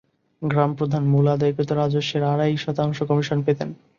গ্রাম্যপ্রধান মূল আদায়কৃত রাজস্বের আড়াই শতাংশ কমিশন পেতেন।